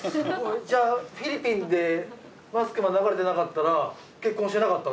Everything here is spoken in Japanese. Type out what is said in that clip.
じゃあフィリピンで「マスクマン」流れてなかったら結婚してなかった。